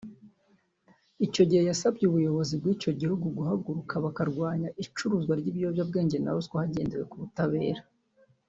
Icyo gihe yasabye ubuyobozi bw’icyo gihugu guhaguruka bakarwanya icuruzwa ry’ibiyobyabwenge na ruswa hagendewe ku butabera